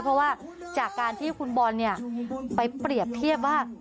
เพราะว่าจากการที่คุณบอลไปเปรียบเทียบว่า